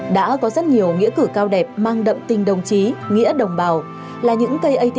đã có rất nhiều nghĩa cử cao đẹp mang đậm tình đồng chí nghĩa đồng bào là những cây at